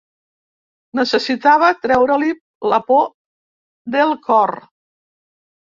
Necessitava treure-li la por del cor.